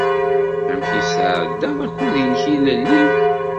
Amek ay tesɛeddaḍ akud-nnek ilelli?